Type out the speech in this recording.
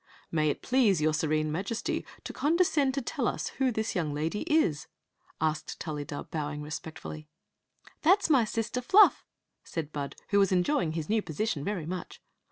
" May it please your Serene Majesty to condescend to tell us who this young lady is ?" asked Tullydub, bowing respectfully. Stoiy of the Magic QcKik 51 ''That 8 my sistor Fluff," said Bud, who was enjoying his new position very much.